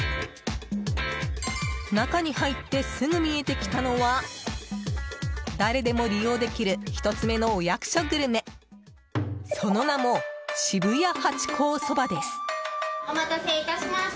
中に入ってすぐ見えてきたのは誰でも利用できる１つ目のお役所グルメその名も渋谷ハチ公そばです。